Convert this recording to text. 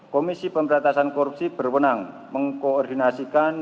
komisi pemberantasan korupsi berwenang mengkoordinasikan